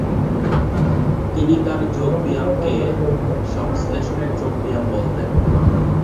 তিনি তার যোগব্যায়ামকে সংশ্লেষণের যোগব্যায়াম বলতেন।